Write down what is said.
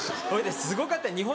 「すごかった日本